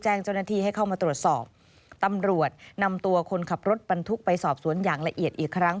แจ้งเจ้าหน้าที่ให้เข้ามาตรวจสอบตำรวจนำตัวคนขับรถบรรทุกไปสอบสวนอย่างละเอียดอีกครั้ง